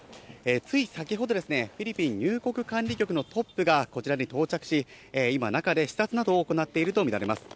つい先ほどですね、フィリピン入国管理局のトップがこちらに到着し、今、中で視察などを行っていると見られます。